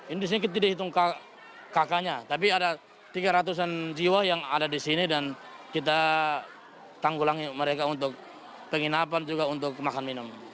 ini tidak hitung kakaknya tapi ada tiga ratus an jiwa yang ada di sini dan kita tanggulangi mereka untuk penginapan juga untuk makan minum